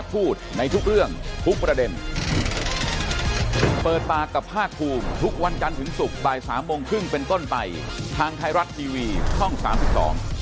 ไปทางไทยรัฐทีวีห้องสามสิบต่อ